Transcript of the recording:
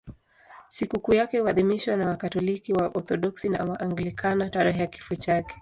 Sikukuu yake huadhimishwa na Wakatoliki, Waorthodoksi na Waanglikana tarehe ya kifo chake.